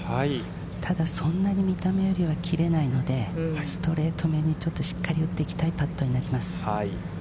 ただ、そんなに見たままよりは切れないので、ストレートめにちょっとしっかり打っていきたいパットになります。